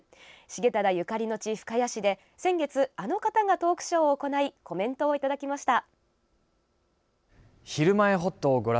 重忠のゆかりの地・深谷市で先月、あの方がトークショーを行いコメントをいただきました。